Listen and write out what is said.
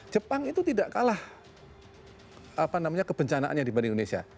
jepang itu tidak kalah kebencanaannya dibanding indonesia